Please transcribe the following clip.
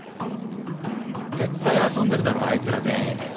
絶対遊んでるだろあいつら全員。